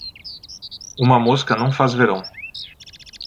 Uma mosca não faz verão.